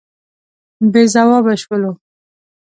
بې ځوابه شولو.